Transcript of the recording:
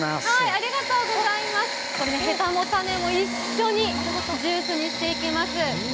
へたも種も一緒にジュースにしていきます。